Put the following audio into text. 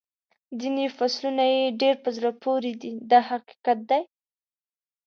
ځینې فصلونه یې ډېر په زړه پورې دي دا حقیقت دی.